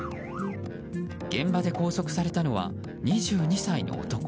現場で拘束されたのは２２歳の男。